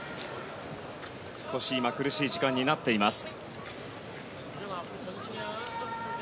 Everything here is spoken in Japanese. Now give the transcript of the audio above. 少し今、苦しい時間になっています。